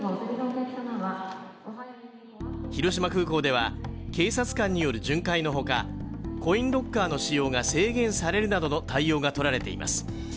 広島空港では、警察官による巡回のほかコインロッカーの使用が制限されるなどの対応が取られています。